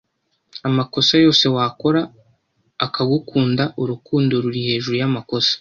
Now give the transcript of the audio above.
amakosa yose wakora akagukunda urukundo ruri hejuru y’amakosa